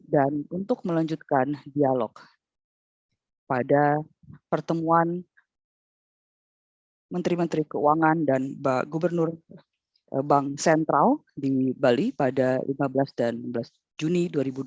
dan untuk melanjutkan dialog pada pertemuan menteri menteri keuangan dan gubernur bank sentral di bali pada lima belas dan enam belas juni dua ribu dua puluh dua